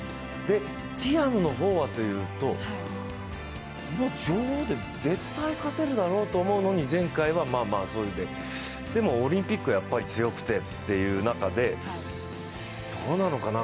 ティアムの方はというと、女王で、絶対勝てるだろうと思うのに前回はまあまあで、でもオリンピックはやっぱり強くてという中で、どうなのかな？